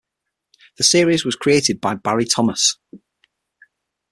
The series was created by Barry Thomas.